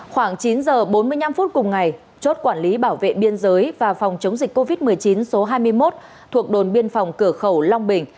khoảng chín h bốn mươi năm phút cùng ngày chốt quản lý bảo vệ biên giới và phòng chống dịch covid một mươi chín số hai mươi một thuộc đồn biên phòng cửa khẩu long bình